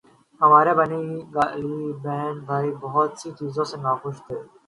ہمارے بنگالی بہن بھائی بہت سی چیزوں سے ناخوش تھے۔